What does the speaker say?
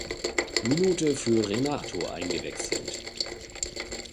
Minute für Renato eingewechselt.